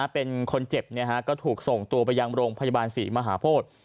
เป็นคนเจ็บก็ถูกส่งตัวไปยังโรงพยาบาลศรีมหาโพธิ